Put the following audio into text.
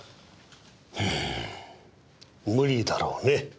うーん無理だろうね。